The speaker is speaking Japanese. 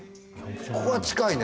ここは近いね